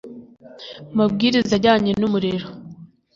mabwiriza ajyanye n umurimo